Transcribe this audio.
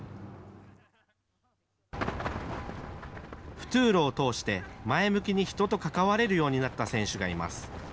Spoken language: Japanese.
フトゥーロを通して前向きに人と関われるようになった選手がいます。